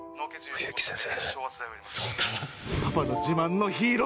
冬木先生！